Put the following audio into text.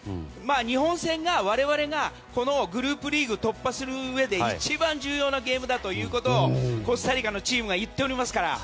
日本戦が我々がこのグループリーグ突破するうえで一番重要なゲームだということをコスタリカのチームが言っておりますから。